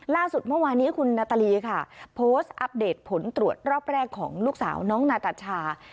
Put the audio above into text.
เมื่อวานี้คุณนาตาลีค่ะโพสต์อัปเดตผลตรวจรอบแรกของลูกสาวน้องนาตาชา